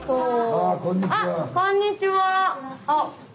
あこんにちは！